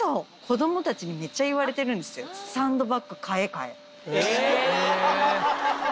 子供たちにめっちゃ言われてるんですよ。え！ハハハ！